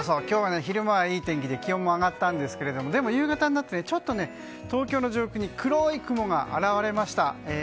今日は昼間はいい天気で気温も上がったんですけど夕方になってちょっと東京の上空に黒い雲が現れました。